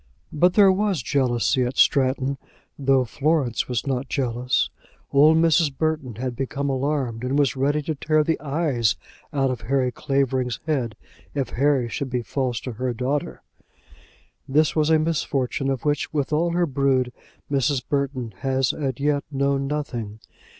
But there was jealousy at Stratton, though Florence was not jealous. Old Mrs. Burton had become alarmed, and was ready to tear the eyes out of Harry Clavering's head if Harry should be false to her daughter. This was a misfortune of which, with all her brood, Mrs. Burton had as yet known nothing.